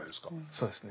そうですね。